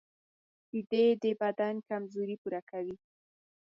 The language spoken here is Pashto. شیدې د بدن کمزوري پوره کوي